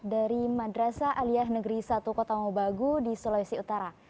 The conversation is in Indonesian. dari madrasah aliyah negeri satu kota ngobagu di sulawesi utara